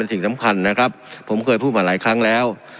สิ่งสำคัญนะครับผมเคยพูดมาหลายครั้งแล้ว